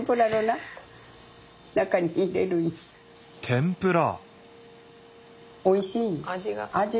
天ぷら？